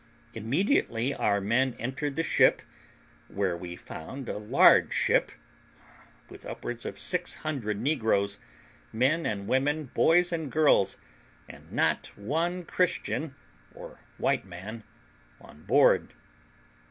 Immediately our men entered the ship, where we found a large ship, with upwards of 600 negroes, men and women, boys and girls, and not one Christian or white man on board.